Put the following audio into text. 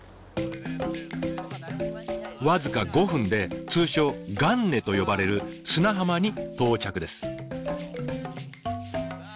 僅か５分で通称「岸根」と呼ばれる砂浜に到着です。